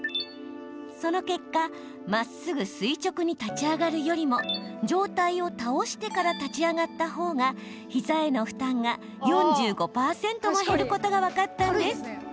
その結果、まっすぐ垂直に立ち上がるよりも上体を倒してから立ち上がったほうが膝への負担が４５％も減ることが分かったんです。